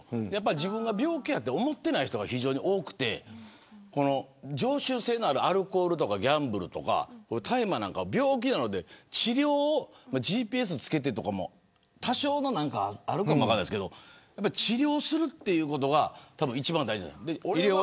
自分が病気だと思ってない人が非常に多くて常習性のあるアルコールとかギャンブルとか大麻なんかも病気なので治療をＧＰＳ付けてとか多少の何かあるかもしれないですけど治療をするということが一番大事。